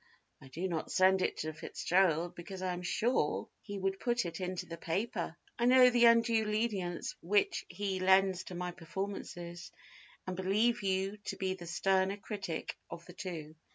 I do not send it to FitzGerald because I am sure he would put it into the paper. ... I know the undue lenience which he lends to my performances, and believe you to be the sterner critic of the two.